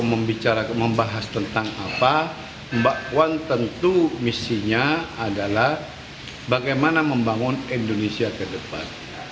membahas tentang apa mbak puan tentu misinya adalah bagaimana membangun indonesia ke depan